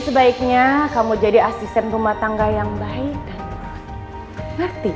sebaiknya kamu jadi asisten rumah tangga yang baik dan ngerti